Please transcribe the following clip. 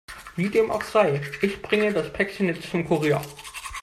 Wie dem auch sei, ich bringe das Päckchen jetzt zum Kurier.